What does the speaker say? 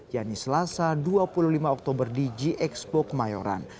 yang di selasa dua puluh lima oktober di gxbok mayoran